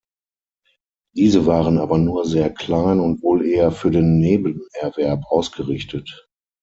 Diese waren aber nur sehr klein und wohl eher für den Nebenerwerb ausgerichtet.